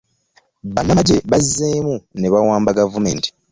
Bannamagye bazzeemu ne bawamba gavumenti.